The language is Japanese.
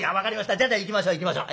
じゃあじゃあ行きましょう行きましょう。